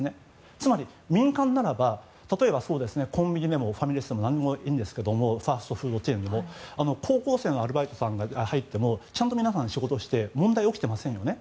つまり、民間ならば例えばコンビニでもファミレスでもファストフードチェーンでも何でもいいんですが高校生のアルバイトさんが入ってもちゃんと皆さん仕事をして問題が起きていませんよね。